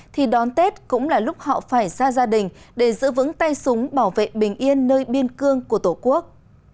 thì đón tết cũng là lúc họ phải ra gia đình để giữ vững tay súng bảo vệ bình yên nơi biên cương của tổ quốc